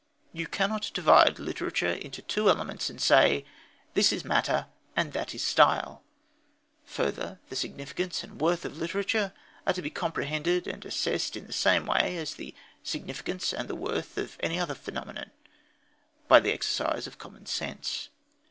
You cannot divide literature into two elements and say: This is matter and that style. Further, the significance and the worth of literature are to be comprehended and assessed in the same way as the significance and the worth of any other phenomenon: by the exercise of common sense.